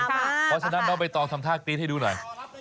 เพราะฉะนั้นน้องใบตองทำท่ากรี๊ดให้ดูหน่อย